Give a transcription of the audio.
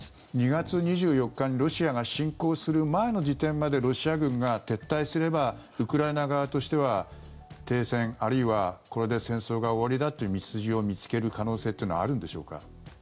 ２月２４日にロシアが侵攻する前の時点までロシア軍が撤退すればウクライナ側としては停戦、あるいはこれで戦争が終わりだという道筋を見つける可能性というのはあるんでしょうか？